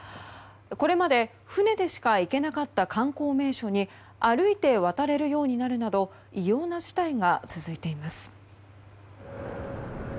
これまで船でしか行けなかった観光名所に歩いて渡れるようになるなど異様な事態が続いています。